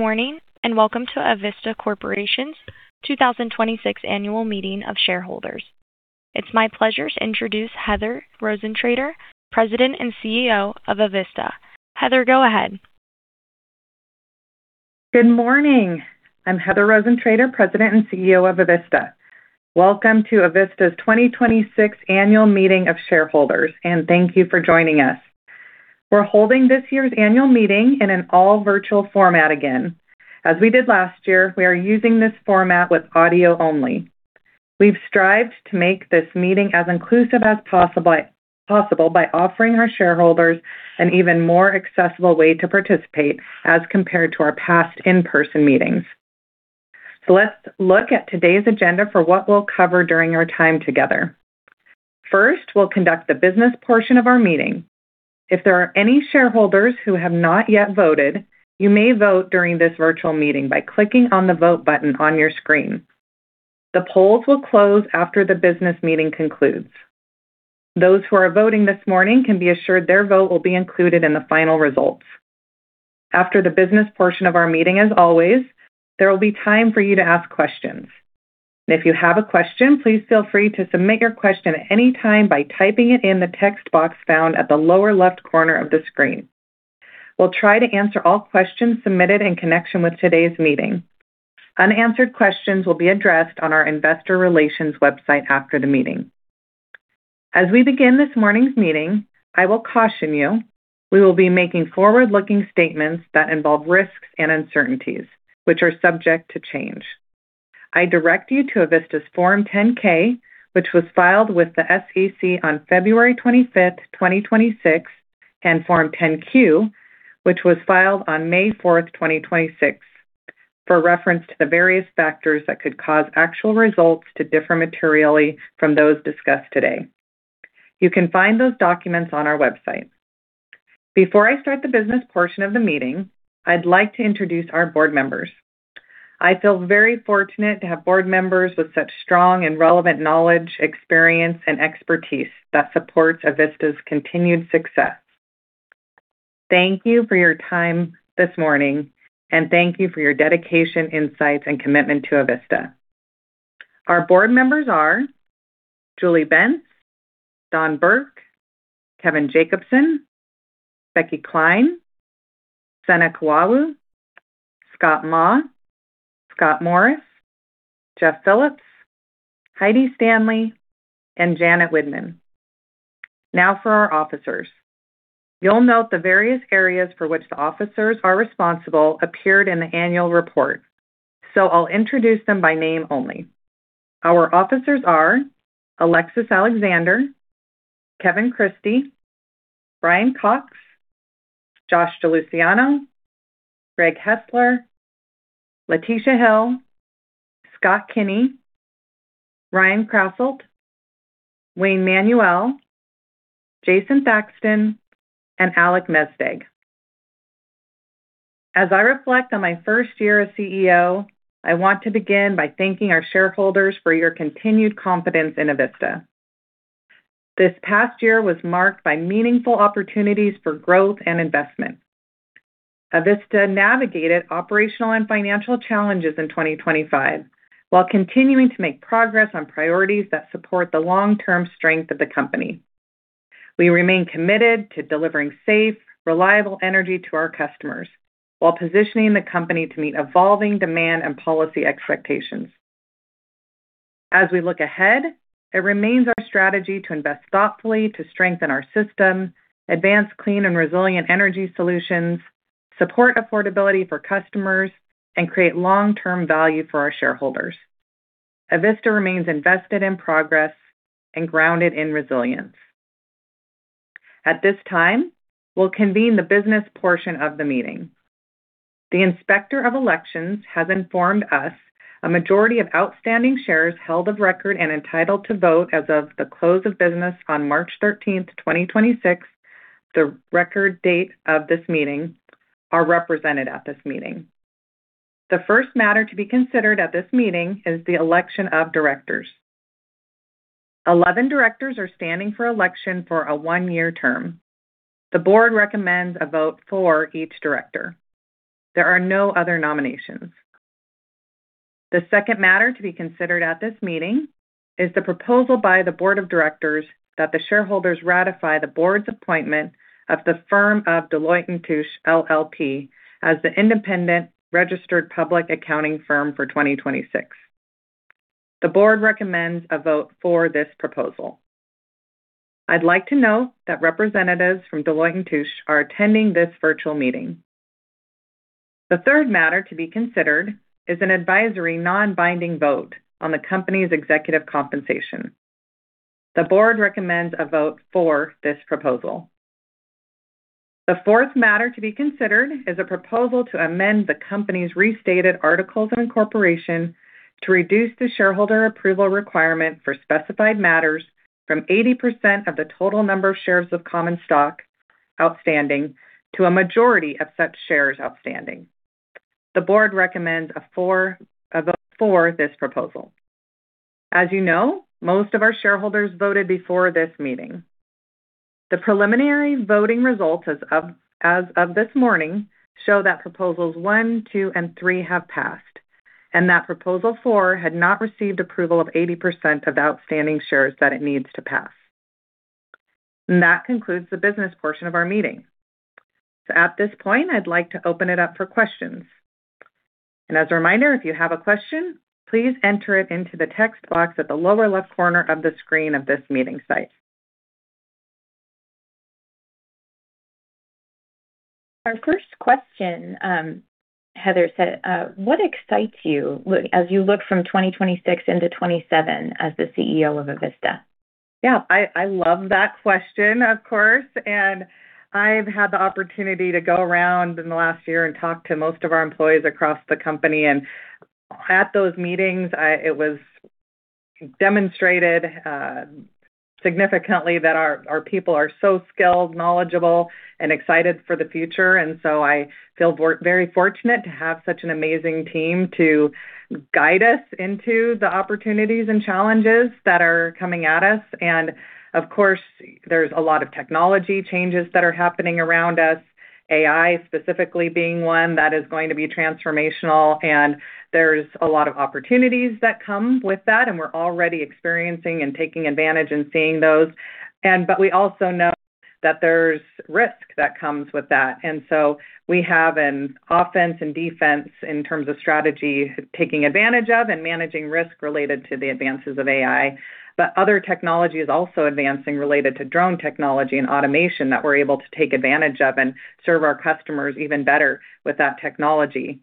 Good morning, and welcome to Avista Corporation's 2026 Annual Meeting of Shareholders. It's my pleasure to introduce Heather Rosentrater, President and CEO of Avista. Heather, go ahead. Good morning. I'm Heather Rosentrater, President and CEO of Avista. Welcome to Avista's 2026 Annual Meeting of Shareholders. Thank you for joining us. We're holding this year's annual meeting in an all-virtual format again. As we did last year, we are using this format with audio only. We've strived to make this meeting as inclusive as possible by offering our shareholders an even more accessible way to participate as compared to our past in-person meetings. Let's look at today's agenda for what we'll cover during our time together. First, we'll conduct the business portion of our meeting. If there are any shareholders who have not yet voted, you may vote during this virtual meeting by clicking on the Vote button on your screen. The polls will close after the business meeting concludes. Those who are voting this morning can be assured their vote will be included in the final results. After the business portion of our meeting, as always, there will be time for you to ask questions. If you have a question, please feel free to submit your question at any time by typing it in the text box found at the lower left corner of the screen. We'll try to answer all questions submitted in connection with today's meeting. Unanswered questions will be addressed on our investor relations website after the meeting. As we begin this morning's meeting, I will caution you, we will be making forward-looking statements that involve risks and uncertainties, which are subject to change. I direct you to Avista's Form 10-K, which was filed with the SEC on February 25th, 2026, and Form 10-Q, which was filed on May 4th, 2026, for reference to the various factors that could cause actual results to differ materially from those discussed today. You can find those documents on our website. Before I start the business portion of the meeting, I'd like to introduce our board members. I feel very fortunate to have board members with such strong and relevant knowledge, experience, and expertise that supports Avista's continued success. Thank you for your time this morning, and thank you for your dedication, insights, and commitment to Avista. Our board members are Julie Bentz, Don Burke, Kevin Jacobsen, Rebecca Klein, Sena Kwawu, Scott Maw, Scott Morris, Jeff Philipps, Heidi Stanley, and Janet Widmann. Now for our officers. You'll note the various areas for which the officers are responsible appeared in the annual report. I'll introduce them by name only. Our officers are Alexis Alexander, Kevin Christie, Bryan Cox, Josh DiLuciano, Gregory Hesler, Latisha Hill, Scott Kinney, Ryan Krasselt, Wayne Manuel, Jason Thackston, and Alec Mesdag. As I reflect on my first year as CEO, I want to begin by thanking our shareholders for your continued confidence in Avista. This past year was marked by meaningful opportunities for growth and investment. Avista navigated operational and financial challenges in 2025 while continuing to make progress on priorities that support the long-term strength of the company. We remain committed to delivering safe, reliable energy to our customers while positioning the company to meet evolving demand and policy expectations. As we look ahead, it remains our strategy to invest thoughtfully to strengthen our system, advance clean and resilient energy solutions, support affordability for customers, and create long-term value for our shareholders. Avista remains invested in progress and grounded in resilience. At this time, we'll convene the business portion of the meeting. The Inspector of Elections has informed us a majority of outstanding shares held of record and entitled to vote as of the close of business on March 13th, 2026, the record date of this meeting, are represented at this meeting. The first matter to be considered at this meeting is the election of directors. 11 directors are standing for election for a one-year term. The board recommends a vote for each director. There are no other nominations. The second matter to be considered at this meeting is the proposal by the board of directors that the shareholders ratify the board's appointment of the firm of Deloitte & Touche LLP as the independent registered public accounting firm for 2026. The board recommends a vote for this proposal. I'd like to note that representatives from Deloitte & Touche are attending this virtual meeting. The third matter to be considered is an advisory non-binding vote on the company's executive compensation. The board recommends a vote for this proposal. The fourth matter to be considered is a proposal to amend the company's restated articles of incorporation to reduce the shareholder approval requirement for specified matters from 80% of the total number of shares of common stock outstanding to a majority of such shares outstanding. The board recommends a vote for this proposal. As you know, most of our shareholders voted before this meeting. The preliminary voting results as of this morning show that proposals one, two, and three have passed, and that proposal four had not received approval of 80% of outstanding shares that it needs to pass. That concludes the business portion of our meeting. At this point, I'd like to open it up for questions. As a reminder, if you have a question, please enter it into the text box at the lower left corner of the screen of this meeting site. Our first question, Heather said, "What excites you as you look from 2026 into 2027 as the CEO of Avista? Yeah, I love that question, of course. I've had the opportunity to go around in the last year and talk to most of our employees across the company. At those meetings, it was demonstrated significantly that our people are so skilled, knowledgeable, and excited for the future. I feel very fortunate to have such an amazing team to guide us into the opportunities and challenges that are coming at us. Of course, there's a lot of technology changes that are happening around us, AI specifically being one that is going to be transformational. There's a lot of opportunities that come with that, and we're already experiencing and taking advantage in seeing those. We also know that there's risk that comes with that. We have an offense and defense in terms of strategy, taking advantage of and managing risk related to the advances of AI. Other technology is also advancing related to drone technology and automation that we're able to take advantage of and serve our customers even better with that technology.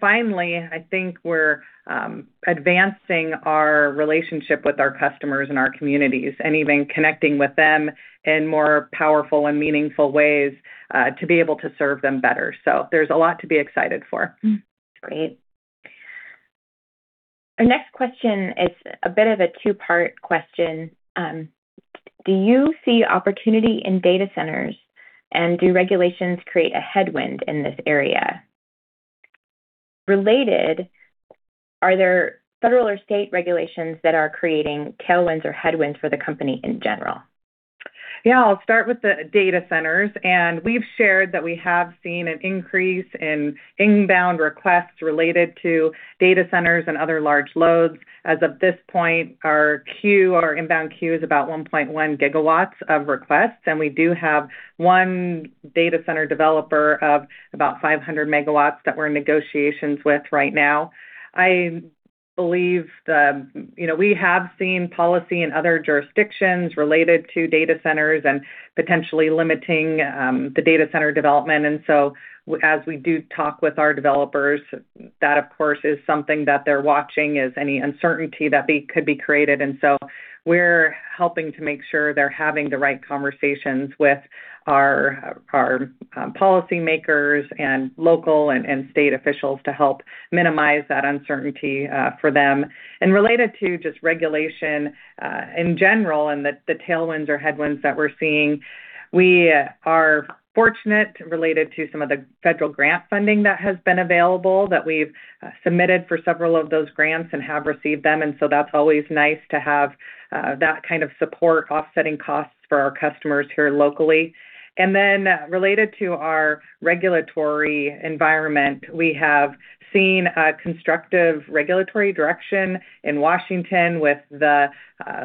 Finally, I think we're advancing our relationship with our customers and our communities and even connecting with them in more powerful and meaningful ways to be able to serve them better. There's a lot to be excited for. Great. Our next question is a bit of a two-part question. Do you see opportunity in data centers, and do regulations create a headwind in this area? Related, are there federal or state regulations that are creating tailwinds or headwinds for the company in general? Yeah, I'll start with the data centers. We've shared that we have seen an increase in inbound requests related to data centers and other large loads. As of this point, our queue, our inbound queue is about 1.1 GW of requests, and we do have one data center developer of about 500 MW that we're in negotiations with right now. I believe the, you know, we have seen policy in other jurisdictions related to data centers and potentially limiting the data center development. As we do talk with our developers, that, of course, is something that they're watching, is any uncertainty that they could be created. We're helping to make sure they're having the right conversations with our policymakers and local and state officials to help minimize that uncertainty for them. Related to just regulation, in general and the tailwinds or headwinds that we're seeing, we are fortunate related to some of the federal grant funding that has been available, that we've submitted for several of those grants and have received them. That's always nice to have that kind of support offsetting costs for our customers here locally. Related to our regulatory environment, we have seen a constructive regulatory direction in Washington with the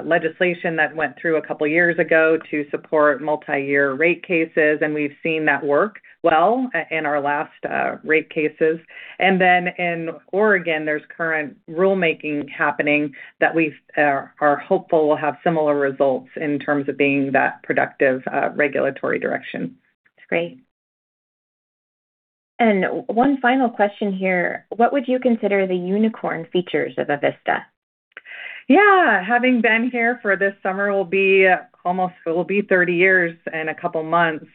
legislation that went through a couple of years ago to support multi-year rate cases, and we've seen that work well in our last rate cases. In Oregon, there's current rulemaking happening that we are hopeful will have similar results in terms of being that productive regulatory direction. That's great. One final question here: What would you consider the unicorn features of Avista? Having been here for this summer it will be 30 years and a couple of months.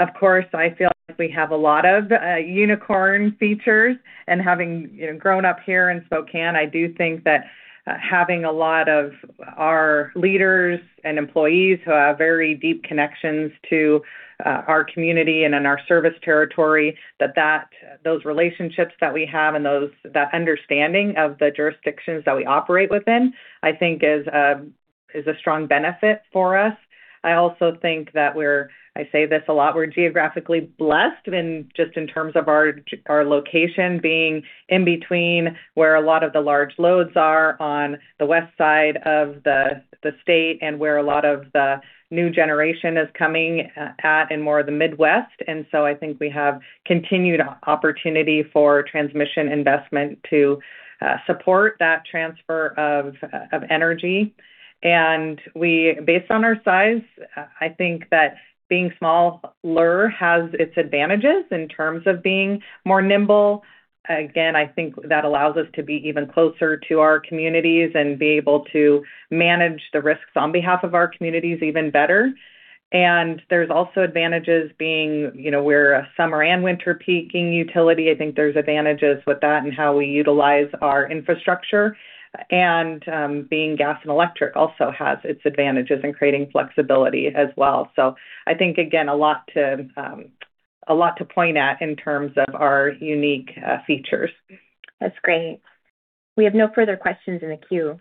Of course, I feel like we have a lot of unicorn features. Having, you know, grown up here in Spokane, I do think that having a lot of our leaders and employees who have very deep connections to our community and in our service territory, those relationships that we have and those, that understanding of the jurisdictions that we operate within, I think is a strong benefit for us. I also think that we're geographically blessed in just in terms of our location being in between where a lot of the large loads are on the west side of the state and where a lot of the new generation is coming at in more of the Midwest. I think we have continued opportunity for transmission investment to support that transfer of energy. We, based on our size, I think that being smaller has its advantages in terms of being more nimble. Again, I think that allows us to be even closer to our communities and be able to manage the risks on behalf of our communities even better. There's also advantages being, you know, we're a summer and winter peaking utility. I think there's advantages with that and how we utilize our infrastructure. Being gas and electric also has its advantages in creating flexibility as well. I think, again, a lot to point at in terms of our unique features. That's great. We have no further questions in the queue.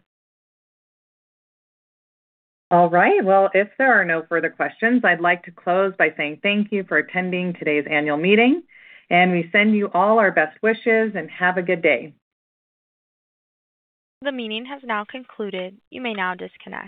All right. Well, if there are no further questions, I'd like to close by saying thank you for attending today's annual meeting. We send you all our best wishes and have a good day. The meeting has now concluded. You may now disconnect.